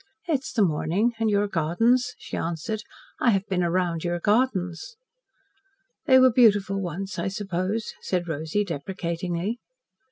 "It is the morning and your gardens," she answered. "I have been round your gardens." "They were beautiful once, I suppose," said Rosy deprecatingly.